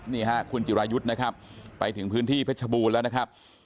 นี่ฮะคุณจิรายุทธ์นะครับไปถึงพื้นที่เพชรบูรณ์แล้วนะครับ